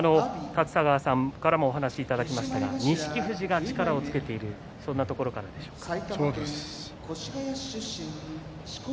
立田川さんからも話いただきましたが錦富士が力をつけているそんなところがあるでしょうか。